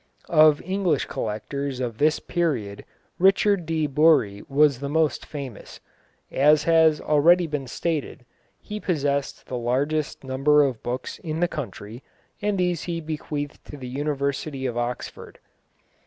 Of English collectors of this period Richard de Bury was the most famous. As has already been stated, he possessed the largest number of books in the country, and these he bequeathed to the University of Oxford.